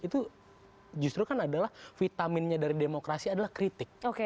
itu justru kan adalah vitaminnya dari demokrasi adalah kritik